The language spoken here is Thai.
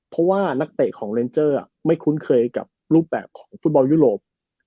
เพราะว่านักเตะของเลนเจอร์ไม่คุ้นเคยกับรูปแบบของฟุตบอลยุโรป